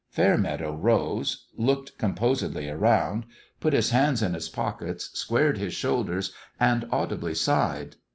Fairmeadow rose, looked composedly around, put his hands in his pockets, squared his shoul ders, and audibly sighed.